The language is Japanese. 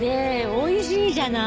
美味しいじゃない。